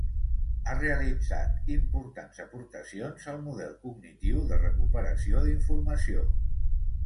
Ha realitzat importants aportacions al model cognitiu de recuperació d'informació.